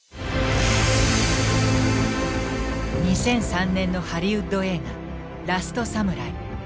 ２００３年のハリウッド映画「ラストサムライ」。